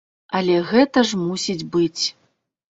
Але гэта ж мусіць быць.